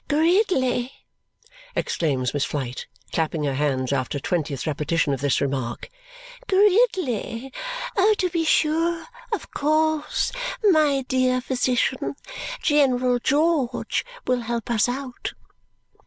"Gridley!" exclaims Miss Flite, clapping her hands after a twentieth repetition of this remark. "Gridley! To be sure! Of course! My dear physician! General George will help us out."